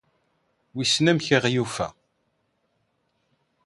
Wissen amek i aɣ-yufa ?